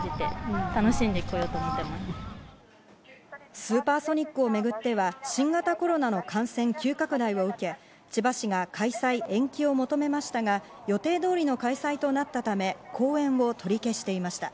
スーパーソニックをめぐっては、新型コロナの感染急拡大を受け、千葉市が開催延期を求めましたが、予定通りの開催となったため後援を取り消していました。